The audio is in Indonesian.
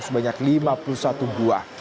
sebanyak lima puluh satu buah